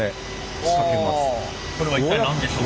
それは一体何でしょう？